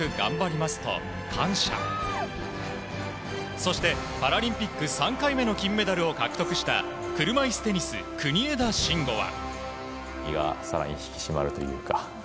そして、パラリンピック３回目の金メダルを獲得した車いすテニス国枝慎吾は。